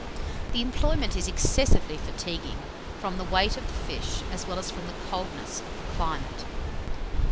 The employment is excessively fatiguing, from the weight of the fish as well as from the coldness of the climate.